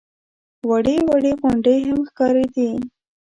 وړې وړې غونډۍ هم ښکارېدې.